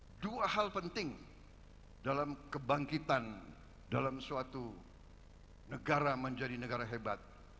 ada dua hal penting dalam kebangkitan dalam suatu negara menjadi negara hebat